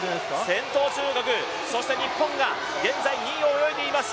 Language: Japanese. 先頭、中国、そして日本が現在２位を泳いでいます。